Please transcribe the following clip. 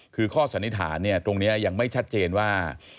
คือข้อสันนิษฐานตรงนี้ยังไม่ชัดเจนว่า